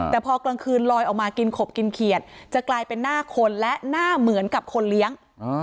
แต่พอกลางคืนลอยออกมากินขบกินเขียดจะกลายเป็นหน้าคนและหน้าเหมือนกับคนเลี้ยง